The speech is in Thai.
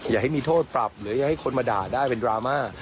อย่าให้มีโทษปรับหรืออย่าให้คนมาด่าได้เป็นดราม่า